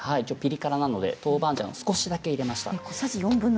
ピリ辛なので豆板醤を少しだけ入れました。